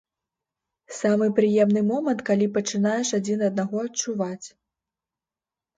Самы прыемны момант, калі пачынаеш адзін аднаго адчуваць.